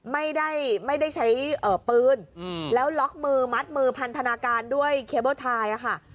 ไม่ได้ไม่ได้ใช้ปืนแล้วล็อกมือมัดมือพันธนาการด้วยเคเบิ้ลทายค่ะ